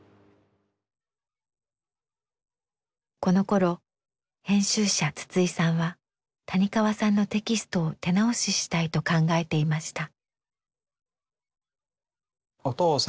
このころ編集者筒井さんは谷川さんのテキストを手直ししたいと考えていました。